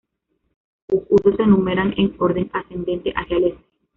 Los husos se numeran en orden ascendente hacia el este.